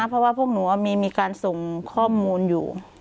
เพราะว่าพวกหนูมีการส่งข้อมูลอยู่